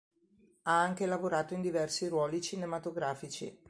Ha anche lavorato in diversi ruoli cinematografici.